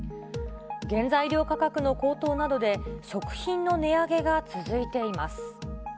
原材料価格の高騰などで食品の値上げが続いています。